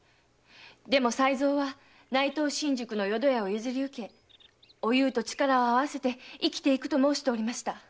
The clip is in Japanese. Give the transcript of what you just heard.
でも才蔵は内藤新宿の淀屋を譲り受けおゆうと力を合わせて生きていくと申しておりました。